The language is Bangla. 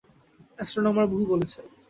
অ্যাস্ট্রনমার ভুল বলেছে।